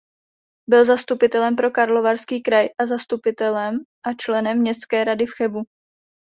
Byl zastupitelem pro Karlovarský kraj a zastupitelem a členem městské rady v Chebu.